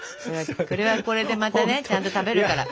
これはこれでまたねちゃんと食べるから。